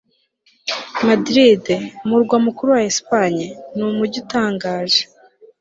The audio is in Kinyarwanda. madrid, umurwa mukuru wa espagne, ni umujyi utangaje